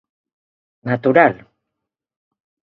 Natural.